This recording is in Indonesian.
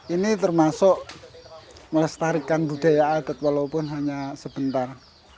ini termasuk melestarikan budaya aget walaupun hanya sebentar